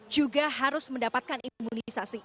juga harus mendapatkan imunisasi